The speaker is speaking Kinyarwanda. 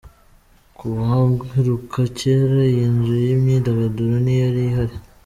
Ku bahaheruka cyera, iyi nzu y'imyidagaduro ntiyari ihari.